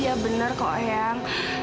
iya bener kok eyang